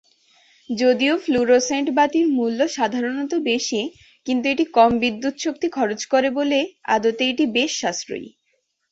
যদিও ফ্লুরোসেন্ট বাতির মূল্য সাধারণত বেশি, কিন্তু এটি কম বিদ্যুৎ শক্তি খরচ করে বলে আদতে এটি বেশ সাশ্রয়ী।